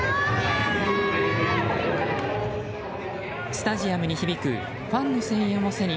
スタジアムに響くファンの声援を背に